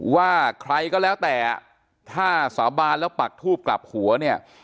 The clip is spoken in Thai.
ว่าใครก็แล้วแต่ถ้าสาบานแล้วปักทูบกลับหัวเนี่ย